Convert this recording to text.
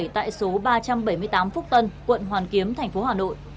tại số ba trăm bảy mươi tám phúc tân quận hoàn kiếm thành phố hà nội